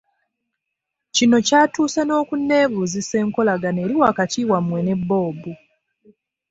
Kino ky’atuuse n’okunneebuuzisa enkolagana eri wakati wammwe ne Bob.